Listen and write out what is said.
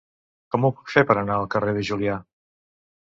Com ho puc fer per anar al carrer de Julià?